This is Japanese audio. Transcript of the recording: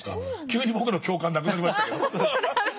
急に僕の共感なくなりましたけど。